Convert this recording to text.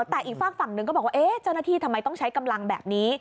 แต่อีกฝากฝั่งหนึ่งก็บอกว่าเจ้าหน้าที่ทำไมต้องใช้กำลังแบบนี้